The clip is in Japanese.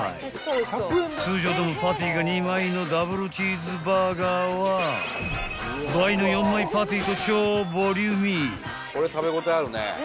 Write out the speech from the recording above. ［通常でもパティが２枚のダブルチーズバーガーは倍の４枚パティと超ボリューミー］